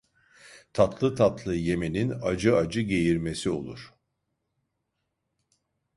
Tatlı tatlı yemenin acı acı geğirmesi olur.